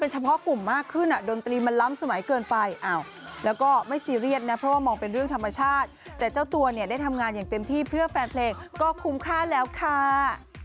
สมบัติให้ดีแกไม่ได้ทำงานอย่างเต็มที่เพื่อแฟนเพลงก็คุ้มค่าแล้วค่ะ